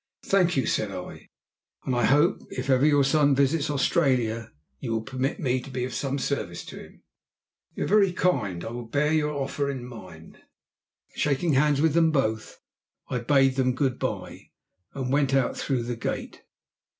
"Thank you," said I, "and I hope if ever your son visits Australia you will permit me to be of some service to him." "You are very kind. I will bear your offer in mind." Shaking hands with them both, I bade them good bye, and went out through the gate.